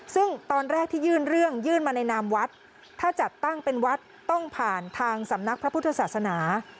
ซึ่งตอนแรกที่ยื่นเรื่องยื่นมาในนามวัดถ้าจัดตั้งเป็นวัดต้องผ่านทางสำนักพระพุทธศาสนา